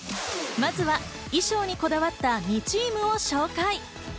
まずは衣装にこだわった２チームを紹介。